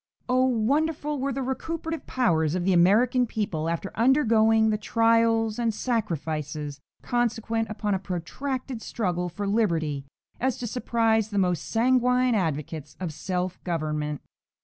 No. 5. So wonderful were the recuperative powers of the American people, after undergoing the trials and sacrifices consequent upon a protracted struggle for liberty, as to surprise the most sanguine advocates of self government.